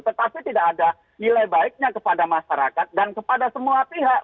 tetapi tidak ada nilai baiknya kepada masyarakat dan kepada semua pihak